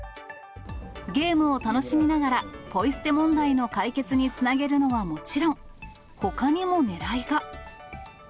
ゲームを楽しみながらポイ捨て問題の解決につなげるのはもちろん、ほかにもねらいが。